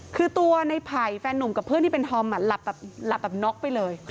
คือตัวในไผ่แฟนหนุ่มกับเพื่อนที่เป็นธอมหลับแบบน็อกไปเลย